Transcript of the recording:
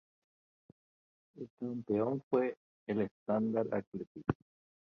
El campeón fue el Standard Athletic.